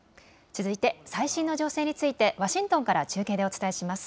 続いて最新の情勢についてワシントンから中継でお伝えします。